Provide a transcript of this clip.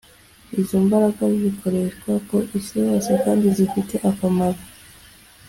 Izo mbaraga zikoreshwa ku isi hose kandi zifite akamaro